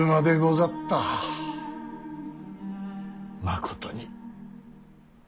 まことに。